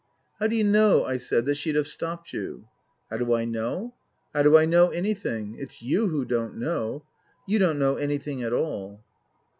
" How do you know," I said, " that she'd have stopped you ?"" How do I know ? How do I know anything ? It's you who don't know. You don't know anything at all."